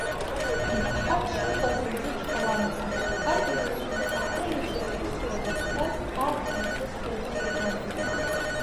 Лԥҳа дшыҟаз лзычҳауамызт, адырҩаҽны, аколлеџь ахь усура дахьцаз аамҭа мцозшәа лгәы иабон.